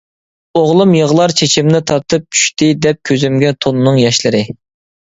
ئوغلۇم يىغلار چېچىمنى تارتىپ چۈشتى دەپ كۆزۈمگە تۈننىڭ ياشلىرى.